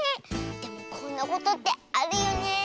でもこんなことってあるよね。